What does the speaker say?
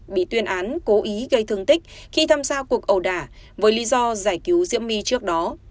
bị tuyên án cố ý gây thương tích khi tham gia cuộc ẩu đả với lý do giải cứu diễm my trước đó